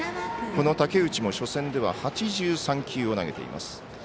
この武内も初戦では８３球を投げています。